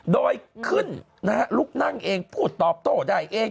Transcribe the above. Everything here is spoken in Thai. โดยขึ้นนะฮะลุกนั่งเองพูดตอบโต้ได้เอง